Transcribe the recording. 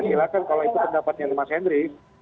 dan silakan kalau itu pendapatnya mas henry